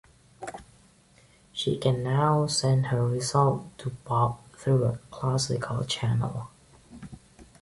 She can now send her result to Bob through a classical channel.